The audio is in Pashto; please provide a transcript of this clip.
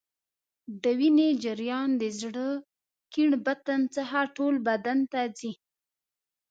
د وینې جریان د زړه کیڼ بطن څخه ټول بدن ته ځي.